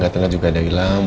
gatelnya juga udah ilang